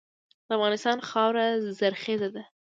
د افغانستان خاوره زرخیزه ده.